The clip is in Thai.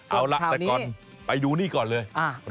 เอาล่ะแต่ก่อนไปดูนี่ก่อนเลย